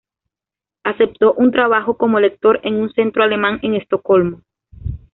Aceptó un trabajo como lector en un centro alemán en Estocolmo.